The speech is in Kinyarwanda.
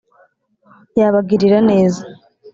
yabagirira neza